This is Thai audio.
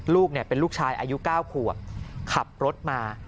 ลูกชายเป็นลูกชายอายุ๙ขวบขับรถมา